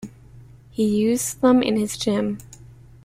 He used them in his gym.